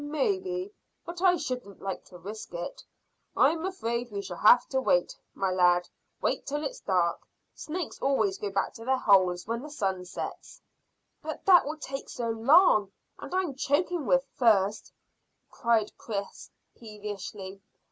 "Maybe, but I shouldn't like to risk it. I'm afraid we shall have to wait, my lad wait till it's dark. Snakes always go back to their holes when the sun sets." "But that will take so long, and I'm choking with thirst," cried Chris peevishly.